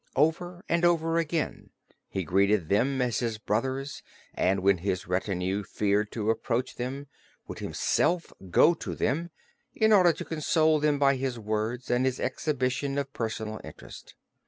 Over and over again he greeted them as his brothers and when his retinue feared to approach them, would himself go to them, in order to console them by his words and his exhibition of personal interest.